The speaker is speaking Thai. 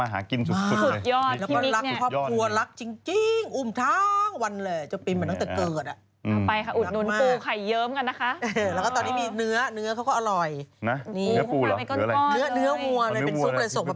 หนึ่งหนึ่งค่อยกว่าเดียวค่อยกว่าเดียว่า๒๐๒๒